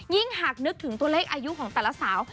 หากนึกถึงตัวเลขอายุของแต่ละสาว